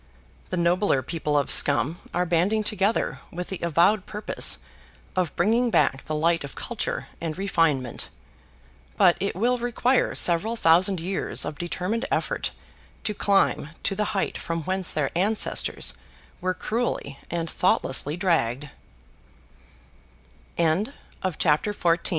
The nobler people of Scum are banding together with the avowed purpose of bringing back the light of culture and refinement. But it will require several thousand years of determined effort to climb to the height from whence their ancestors were cr